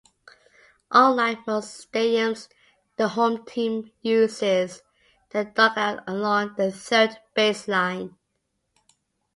Unlike most stadiums, the home team uses the dugout along the third base line.